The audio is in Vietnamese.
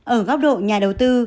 ở góc độ nhà đầu tư